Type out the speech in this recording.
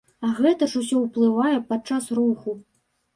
А гэта ж усё ўплывае падчас руху.